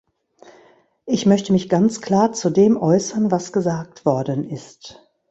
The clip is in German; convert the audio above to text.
Ich möchte mich ganz klar zu dem äußern, was gesagt worden ist.